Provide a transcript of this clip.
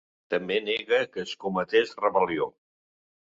També nega que es cometés rebel·lió.